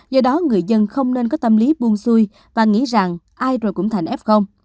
do đó người dân không nên có tâm lý buông xuôi và nghĩ rằng ai rồi cũng thành f